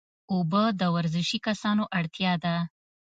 اوبه د ورزشي کسانو اړتیا ده